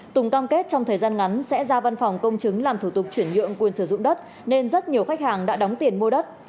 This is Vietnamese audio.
tùng cam kết trong thời gian ngắn sẽ ra văn phòng công chứng làm thủ tục chuyển nhượng quyền sử dụng đất nên rất nhiều khách hàng đã đóng tiền mua đất